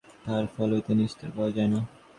তাহার ফল হইতে নিস্তার পাওয়া যায় না।